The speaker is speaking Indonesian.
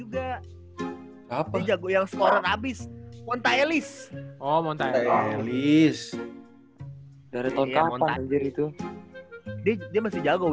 kalo ga sih ini yang pasti bagus